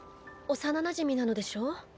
おさななじみなのでしょう？